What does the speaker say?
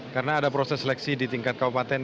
karena ada proses seleksi di tingkat kabupaten yang